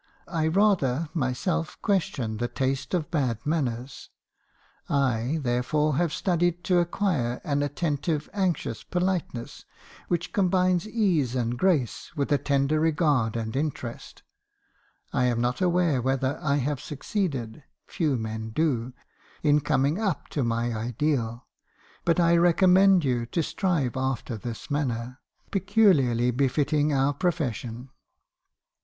I rather, myself, question the taste of bad manners. I, therefore, have studied to acquire an 248 MH. HARBISONS CONFESSIONS. attentive, anxious politeness, which combines ease and grace with a tender regard and interest. I am not aware whether I have succeeded (few men do) in coming up to my ideal; but I recommend you to strive after this manner, peculiarly befitting our profession.